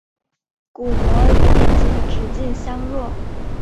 鼓膜与眼睛的直径相若。